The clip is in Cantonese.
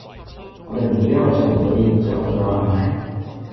我地唔會因做唔到就唔做，你話係咪？